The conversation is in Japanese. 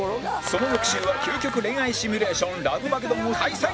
その翌週は究極恋愛シミュレーションラブマゲドンを開催！